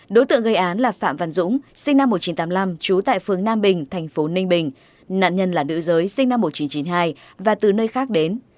đối tượng gây án là phạm văn dũng sinh năm một nghìn chín trăm tám mươi năm trú tại phương nam bình tp ninh bình nạn nhân là nữ giới sinh năm một nghìn chín trăm chín mươi hai và từ nơi khác đến